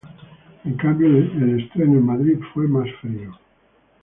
En cambio, el estreno en Madrid fue más frío.